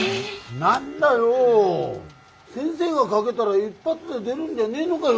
何だよ先生がかげだら一発で出るんでねえのがよ！